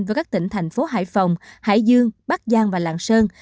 với các tỉnh thành phố hải phòng hải dương bắc giang và lạng sơn